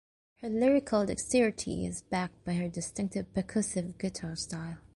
Her lyrical dexterity is backed by her distinctive percussive guitar style.